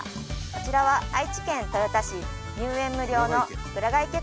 こちらは愛知県豊田市入園無料の鞍ケ